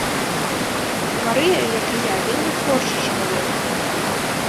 Марыя, як і я, вельмі творчы чалавек.